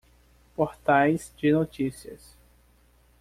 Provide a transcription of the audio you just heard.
Portais de notícias.